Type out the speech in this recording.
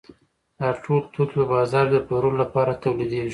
دا ټول توکي په بازار کې د پلورلو لپاره تولیدېږي